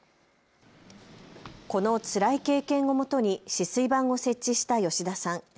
このつらい経験をもとに止水板を設置した吉田さん。